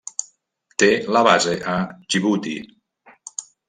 Té la base a Djibouti.